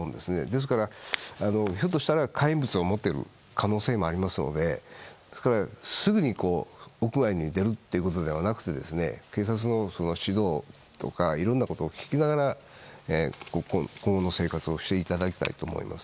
ですから、ひょっとしたら火炎物を持っている可能性もありますのでですから、すぐに屋外に出るということではなくて警察の指導とかいろんなことを聞きながら今後の生活をしていただきたいと思います。